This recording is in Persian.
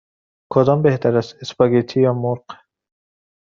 کدام بهتر است: اسپاگتی یا مرغ؟